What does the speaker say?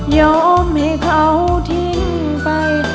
ยอมให้เขาทิ้งไป